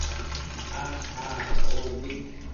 আহ, হ্যাঁ, ও ড্রুইগ।